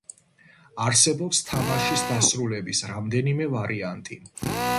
არსებობს თამაშის დასასრულის რამდენიმე ვარიანტი.